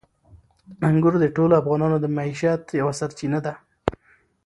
انګور د ټولو افغانانو د معیشت یوه سرچینه ده.